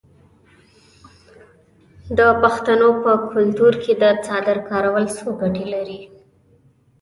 د پښتنو په کلتور کې د څادر کارول څو ګټې لري.